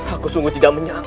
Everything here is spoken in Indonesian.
aku sungguh tidak menyangka